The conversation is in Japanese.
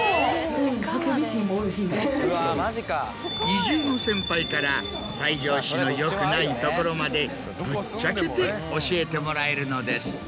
移住の先輩から西条市の良くないところまでぶっちゃけて教えてもらえるのです。